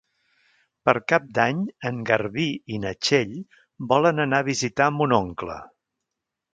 Per Cap d'Any en Garbí i na Txell volen anar a visitar mon oncle.